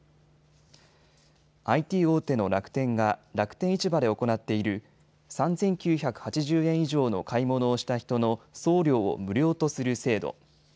ＩＴ大手の楽天が楽天市場で行っている３９８０円以上の買い物をした人の送料を無料とする制度。